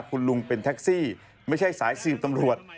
คุณลุงเป็นแท็กซี่ไม่ใช่สายสืบตำรวจ